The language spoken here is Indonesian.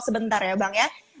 sebentar ya bang